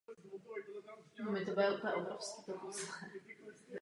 Hospodářská krize je tady.